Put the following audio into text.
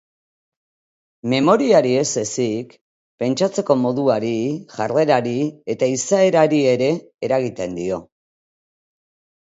Memoriari ez ezik, pentsatzeko moduari, jarrerari eta izaerari ere eragiten dio.